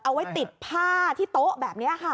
เอาไว้ติดผ้าที่โต๊ะแบบนี้ค่ะ